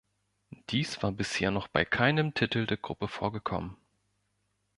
Dies war bisher noch bei keinem Titel der Gruppe vorgekommen.